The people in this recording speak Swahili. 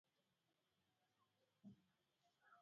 Talaka ni ya nani?